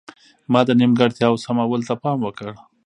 ما د نیمګړتیاوو سمولو ته پام وکړ.